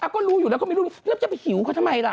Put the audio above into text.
ก็รู้อยู่แล้วก็ไม่รู้แล้วจะไปหิวเขาทำไมล่ะ